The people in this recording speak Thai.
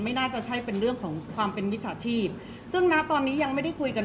เพราะว่าสิ่งเหล่านี้มันเป็นสิ่งที่ไม่มีพยาน